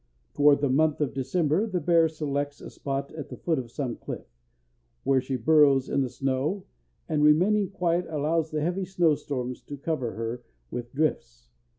Toward the month of December the bear selects a spot at the foot of some cliff, where she burrows in the snow, and, remaining quiet, allows the heavy snow storms to cover her with drifts.